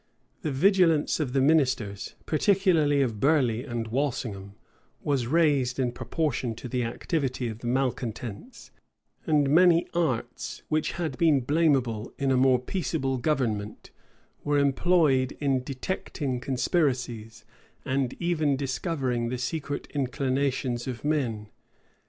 The vigilance of the ministers, particularly of Burleigh and Walsingham, was raised in proportion to the activity of the malecontents; and many arts, which had been blamable in a more peaceful government, were employed in detecting conspiracies, and even discovering the secret inclinations of men.